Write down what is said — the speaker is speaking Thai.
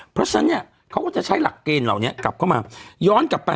เพราะฉะนั้นเนี่ยเขาก็จะใช้หลักเกณฑ์เหล่านี้กลับเข้ามาย้อนกลับไป